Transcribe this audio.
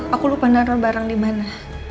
aku lupa naruh barang di mana